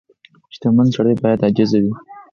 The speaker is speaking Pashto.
• شتمن سړی باید عاجز وي.